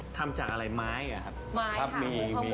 ทำจากอะไรไม้เหรอครับครับมี